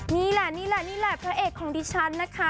นี่แหละนี่แหละนี่แหละพระเอกคอมดิชันนะคะ